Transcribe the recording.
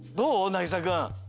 なぎさくん。